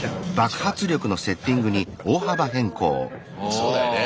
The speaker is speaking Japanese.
そうだよね。